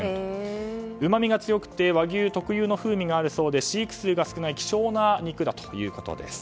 うまみが強くて和牛特有の風味があるそうで飼育数が少ない希少な肉だということです。